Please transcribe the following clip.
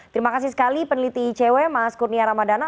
terima kasih sekali peneliti icw mas kurnia ramadana